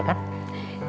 ya jam tentu aja